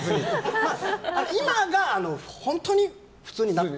今が本当に普通になった。